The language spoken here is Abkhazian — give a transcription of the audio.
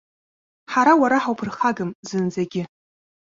Ҳара уара ҳауԥырхагам зынӡагьы.